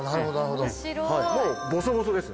もうボソボソです。